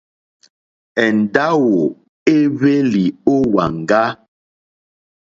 Èndáwò èhwélì ó wàŋgá.